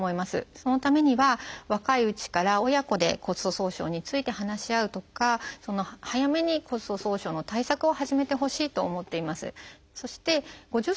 そのためには若いうちから親子で骨粗しょう症について話し合うとか早めに骨粗しょう症の対策を始めてほしいと思っています。